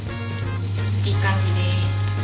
いい感じです。